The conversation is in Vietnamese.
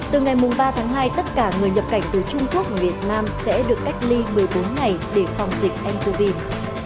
từ ngày ba tháng hai tất cả người nhập cảnh từ trung quốc và việt nam sẽ được cách ly một mươi bốn ngày để phòng dịch anh covid